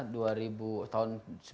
jadi saya kira memang itu ongoing process ya